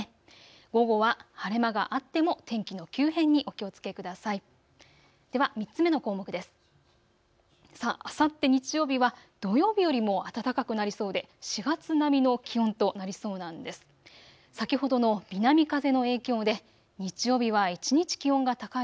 午後は晴れ間があっても天気の急変にお気をつけください。